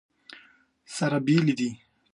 سره بېلې دي.